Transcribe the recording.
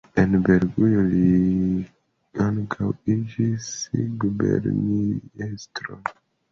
En Belgujo li ankaŭ iĝis guberniestro.